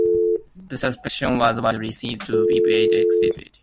The suspension was widely seen to be vindictive.